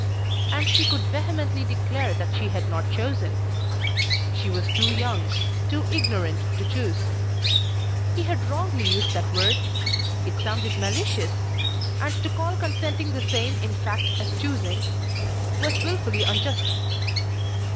And she could vehemently declare that she had not chosen; she was too young, too ignorant to choose. He had wrongly used that word; it sounded malicious; and to call consenting the same in fact as choosing was wilfully unjust.